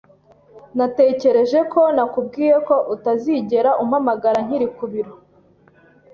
Natekereje ko nakubwiye ko utazigera umpamagara nkiri ku biro.